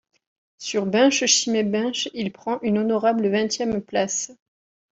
Sur Binche-Chimay-Binche, il prend une honorable vingtième place.